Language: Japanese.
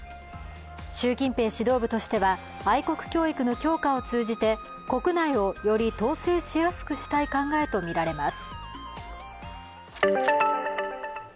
習近平指導部としては愛国教育の強化を通じて国内をより統制しやすくしたい考えとみられます。